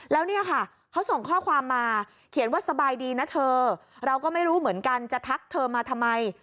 แล้วเนี่ยค่ะเขาส่งข้อความมาเขียนว่าสบายดีนะเธอเราก็ไม่รู้เหมือนกันจะทักเธอมาทำไม